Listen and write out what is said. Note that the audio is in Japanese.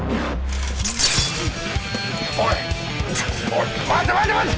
おい待て待て待て！